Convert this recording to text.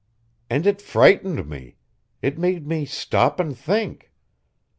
"And it frightened me. It made me stop and think.